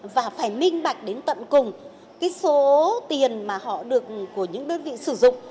và phải minh bạch đến tận cùng cái số tiền mà họ được của những đơn vị sử dụng